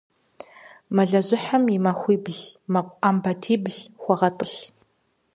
Мэлыжьыхьым и махуибл мэкъу Ӏэмбатибл хуэгъэтӀылъ.